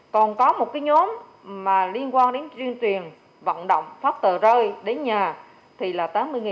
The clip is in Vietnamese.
còn có một cái nhóm mà liên quan đến chuyên truyền vận động phát tờ rơi đến nhà thì là tám mươi